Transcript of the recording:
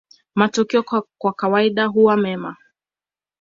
Matokeo kwa kawaida huwa mema.